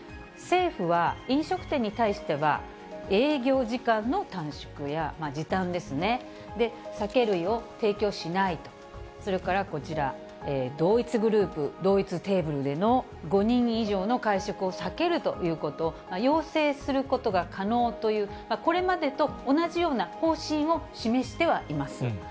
政府は飲食店に対しては、営業時間の短縮や時短ですね、酒類を提供しないと、それからこちら、同一グループ、同一テーブルでの５人以上の会食を避けるということを要請することが可能というこれまでと同じような方針を示してはいます。